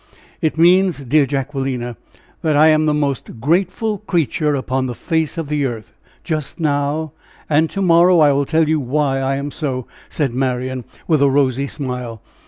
"It means, dear Jacquelina, that I am the most grateful creature upon the face of the earth, just now; and to morrow I will tell you why I am so," said Marian, with a rosy smile.